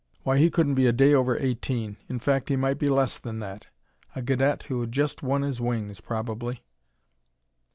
Why, he couldn't be a day over eighteen in fact, he might be less than that. A cadet who had just won his wings, probably.